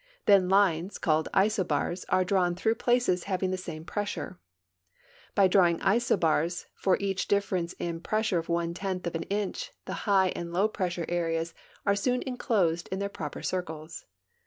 Then lines, called isobars, are drawn through ])laces having the same pressure. By draw ing isobars for each difference in pressure of one tenth of an inch the high and the low pressure areas are soon inclosed in their proper circles.